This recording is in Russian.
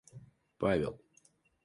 Павел